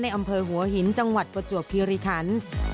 อำเภอหัวหินจังหวัดประจวบคิริคัน